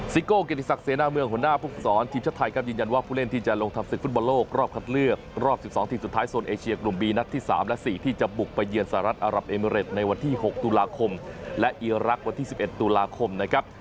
โก้เกียรติศักดิเสนาเมืองหัวหน้าภูมิสอนทีมชาติไทยครับยืนยันว่าผู้เล่นที่จะลงทำศึกฟุตบอลโลกรอบคัดเลือกรอบ๑๒ทีมสุดท้ายโซนเอเชียกลุ่มบีนัดที่๓และ๔ที่จะบุกไปเยือนสหรัฐอารับเอเมริตในวันที่๖ตุลาคมและอีรักษ์วันที่๑๑ตุลาคมนะครับ